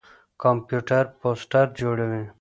کمپيوټر پوسټر جوړوي.